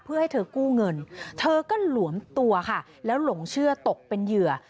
เพื่อให้เธอกู้เงินเธอก็หลวมตัวค่ะแล้วหลงเชื่อตกเป็นเหยื่อ